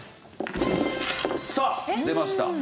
さあ出ました。